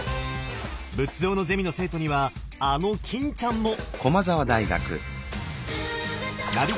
仏像のゼミの生徒にはあの欽ちゃんも！